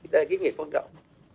đây là kết nghiệm quan trọng